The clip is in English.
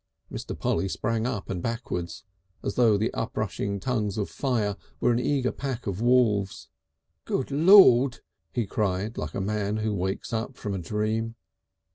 Mr. Polly sprang up and backwards, as though the uprushing tongues of fire were a pack of eager wolves. "Good Lord!" he cried like a man who wakes up from a dream.